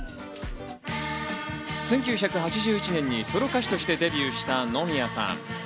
１９８１年にソロ歌手としてデビューした野宮さん。